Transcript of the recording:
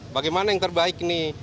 bagaimana yang terbaik nih